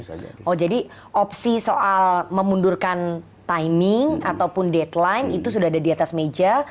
oh jadi opsi soal memundurkan timing ataupun deadline itu sudah ada di atas meja